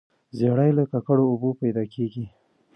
زیړی له ککړو اوبو پیدا کیږي.